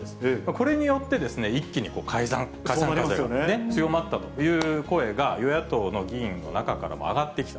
これによって一気に解散風が強まったという声が、与野党の議員の中からも上がってきた。